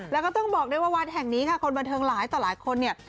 แล้วก็ต้องบอกด้วยว่าวัดแห่งนี้ค่ะคนบันเทิงหลายต่อหลายคนเนี่ย